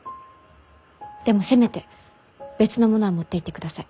でもせめて別のものは持っていってください。